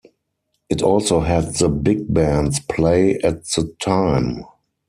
It also had the big bands play at the time.